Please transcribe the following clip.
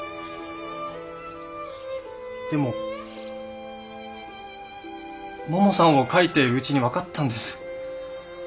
でもももさんを描いているうちに分かったんです。